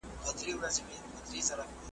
سړی پوه سو چي له سپي ورکه سوه لاره `